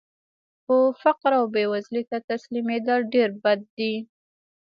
خو فقر او بېوزلۍ ته تسلیمېدل ډېر بد دي